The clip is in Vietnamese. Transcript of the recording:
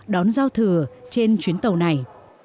đón giao thừa trên chuyến tàu này